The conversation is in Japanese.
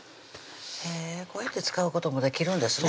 へぇこうやって使うこともできるんですね